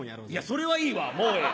それはいいわもうええ！